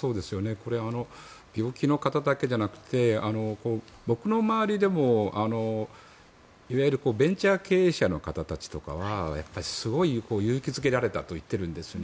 これ、病気の方だけでなくて僕の周りでもいわゆるベンチャー経営者の方たちとかはやっぱりすごい勇気付けられたと言っているんですね。